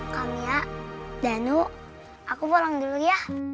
kambia danu aku pulang dulu ya